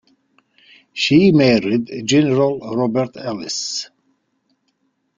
She married General Robert Ellice.